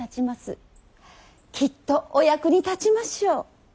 きっとお役に立ちましょう。